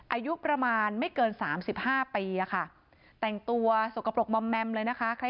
อายุประมาณไม่เกิน๓๕ปีอะค่ะแต่งตัวสกปรกมอมแมมเลยนะคะ